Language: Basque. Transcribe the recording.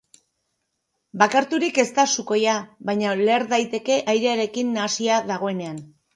Bakarturik ez da sukoia, baina leher daiteke airearekin nahasia dagoenean.